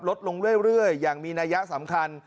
ลดลงเรื่อยอย่างมีนัยสำคัญ